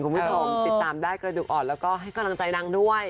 กระดูกอ่อนแล้วก็ให้กำลังใจนังด้วย